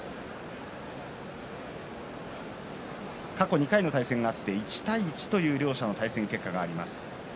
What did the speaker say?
過去２回の対戦があって１対１という両者の対戦結果があります。